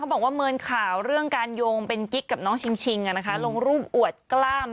บอกว่าเมินข่าวเรื่องการโยงเป็นกิ๊กกับน้องชิงลงรูปอวดกล้าม